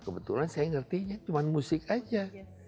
kebetulan saya ngertinya cuma musik aja